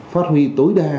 phát huy tối đa